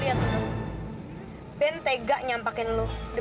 hai ya allah lo lihat bentega nyampakin lu udah